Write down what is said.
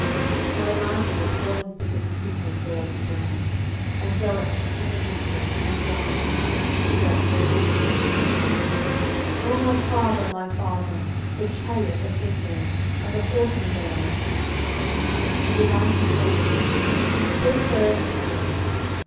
12:013:014 Now Elisha was fallen sick of his sickness whereof he died. And Joash the king of Israel came down unto him, and wept over his face, and said, O my father, my father, the chariot of Israel, and the horsemen thereof. 12:013:015 And Elisha said unto him, Take bow and arrows.